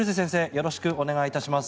よろしくお願いします。